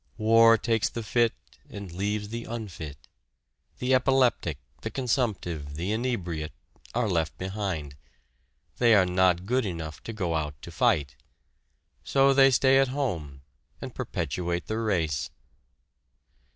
War takes the fit and leaves the unfit. The epileptic, the consumptive, the inebriate, are left behind. They are not good enough to go out to fight. So they stay at home, and perpetuate the race!